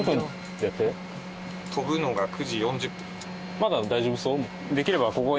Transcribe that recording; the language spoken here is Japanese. まだ大丈夫そう？